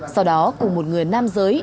sau đó cùng một người nam giới